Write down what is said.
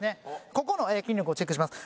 ここの筋力をチェックします。